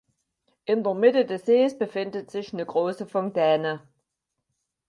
In der Mitte des Sees befindet sich eine große Fontäne.